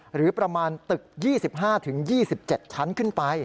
หรือประมาณตึก๒๕๒๗ชั้นขึ้นไป